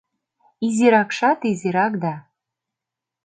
Изиракшат изирак да